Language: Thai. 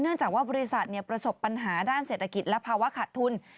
จากว่าบริษัทประสบปัญหาด้านเศรษฐกิจและภาวะขาดทุน